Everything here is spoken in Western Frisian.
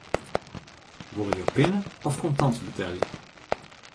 Wolle jo pinne of kontant betelje?